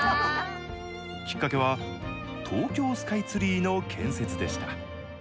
きっかけは、東京スカイツリーの建設でした。